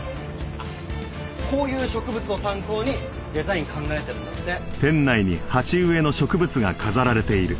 こういう植物を参考にデザイン考えてるんだって。